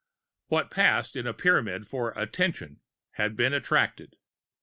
What passed in a Pyramid for "attention" had been attracted.